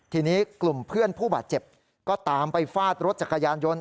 ทีนี้กลุ่มเพื่อนผู้บาดเจ็บก็ตามไปฟาดรถจักรยานยนต์